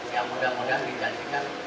yang mudah mudahan dijadikan